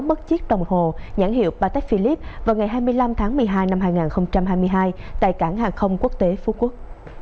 bất chiếc đồng hồ nhãn hiệu patech philip vào ngày hai mươi năm tháng một mươi hai năm hai nghìn hai mươi hai tại cảng hàng không quốc tế phú quốc